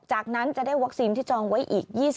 จากนั้นจะได้วัคซีนที่จองไว้อีก๒๐